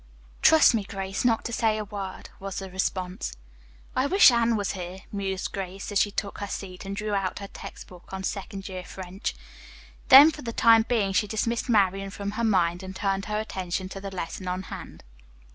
"Trust me, Grace, not to say a word," was the response. "I wish Anne were here," mused Grace, as she took her seat and drew out her text book on second year French. Then for the time being she dismissed Marian from her mind, and turned her attention to the lesson on hand.